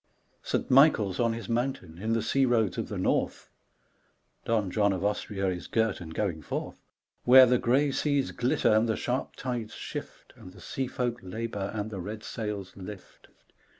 G. K. CHESTERTON 41 St. Michael's on his Mountain in the sea roads of the north, (Dow John of Austria is girt and going forth.) Where the grey seas glitter and the sharp tides shift And the sea folk labour and the red sails lift.